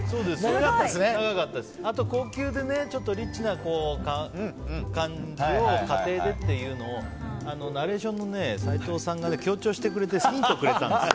あと高級でリッチな感じを家庭でっていうのをナレーションのサイトウさんが強調してくれてヒントをくれたんですよ。